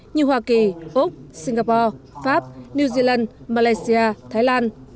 như hoa kỳ úc singapore pháp new zealand malaysia thái lan